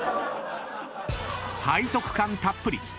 ［背徳感たっぷり。